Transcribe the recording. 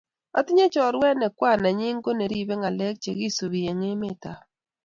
Atinye choruet ne kwaan nenyi ko chi neribe ngalek chegisubi eng emetab